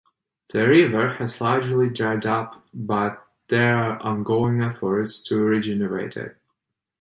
The river has largely dried up but there are ongoing efforts to rejuvenate it.